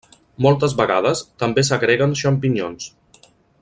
Moltes vegades també s'agreguen xampinyons.